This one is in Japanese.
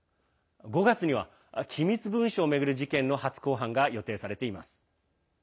５月には機密文書を巡る事件の初公判が予定されています。